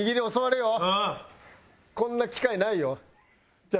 こんな機会ないよ。